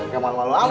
gak malu malu amat